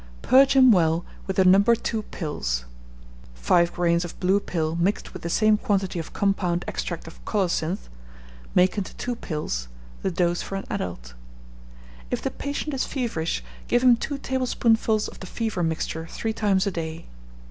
Purge him well with the No. 2 pills (five grains of blue pill mixed with the same quantity of compound extract of colocynth; make into two pills, the dose for an adult). If the patient is feverish, give him two tablespoonfuls of the fever mixture three times a day.